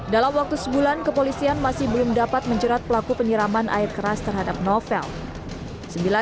dalam waktu sebulan kepolisian masih belum dapat menjerat pelaku penyiraman air keras terhadap novel